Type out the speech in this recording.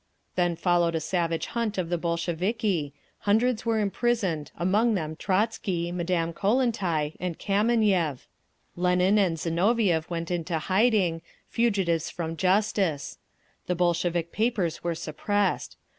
_ Then followed a savage hunt of the Bolsheviki; hundreds were imprisoned, among them Trotzky, Madame Kollontai and Kameniev; Lenin and Zinoviev went into hiding, fugitives from justice; the Bolshevik papers were suppressed.